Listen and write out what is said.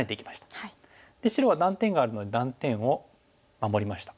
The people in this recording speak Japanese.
白は断点があるので断点を守りました。